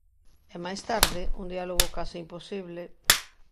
E máis tarde, un diálogo case imposible...